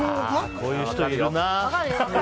こういう人、いるな。